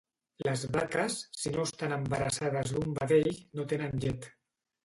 Les vaques si no estan embarassades d'un vedell no tenen llet